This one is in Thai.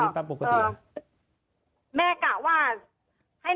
ตอนที่จะไปอยู่โรงเรียนนี้แปลว่าเรียนจบมไหนคะ